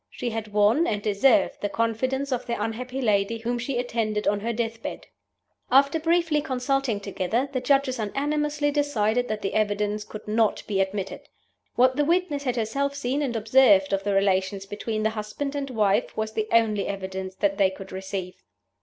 She had won, and deserved, the confidence of the unhappy lady whom she attended on her death bed. After briefly consulting together, the Judges unanimously decided that the evidence could not be admitted. What the witness had herself seen and observed of the relations between the husband and wife was the only evidence that they could receive.